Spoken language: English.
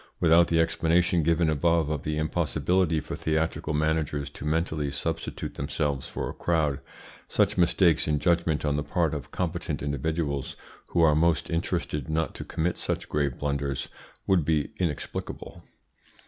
Without the explanation given above of the impossibility for theatrical managers to mentally substitute themselves for a crowd, such mistakes in judgment on the part of competent individuals, who are most interested not to commit such grave blunders, would be inexplicable.